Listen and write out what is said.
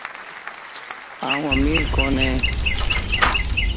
آن امير ڪونئي